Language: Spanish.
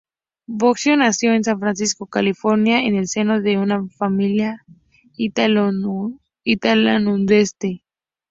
Bozzio nació en San Francisco, California, en el seno de una familia italo-estadounidense.